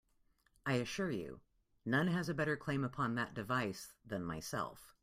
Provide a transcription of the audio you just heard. I assure you, none has a better claim upon that device than myself.